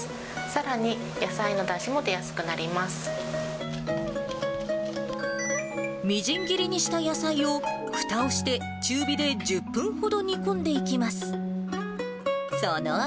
さらに、みじん切りにした野菜を、ふたをして、中火で１０分ほど煮込んでいきます。